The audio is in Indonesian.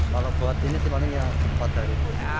kalau buat ini paling yang sempat dari kita